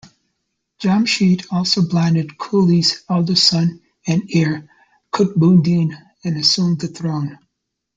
Jamsheed also blinded Quli's elder son and heir, Kutbuddeen and assumed the throne.